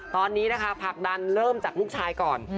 ตอนนี้นะคะผลักดันเริ่มจากลูกชายก่อน